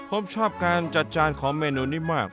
ผมชอบการจัดจานของเมนูนี้มาก